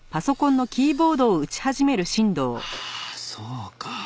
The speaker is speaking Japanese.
ああそうか。